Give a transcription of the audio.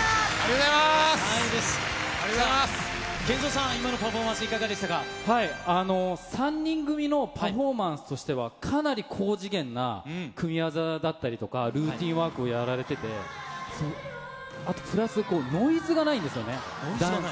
ＫＥＮＺＯさん、今のパフォ３人組のパフォーマンスとしては、かなり高次元な組み技だったりとかルーティンワークをやられてて、あとプラス、ノイズがないんですよね、ダンスに。